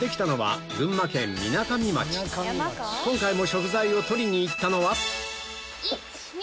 今回も食材を取りに行ったのはイチニ！